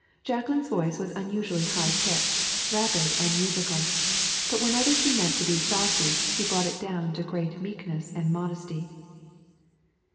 Jacqueline's voice was usually high pitched, rapid, and musical, but whenever she meant to be saucy she brought it down to great meekness and modesty.